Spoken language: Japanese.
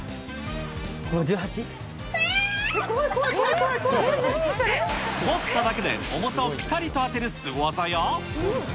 ５８？持っただけで重さをぴたりと当てるスゴ技や。